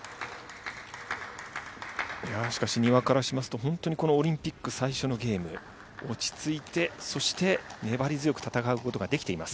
しかし丹羽からしますと、本当にこのオリンピック最初のゲーム、落ち着いて、そして粘り強く戦うことができています。